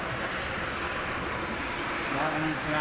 こんにちは。